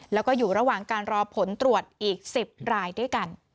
แล้วก็อยู่ระหว่างการรอผลตรวจอีก๑๐รายด้วยกัน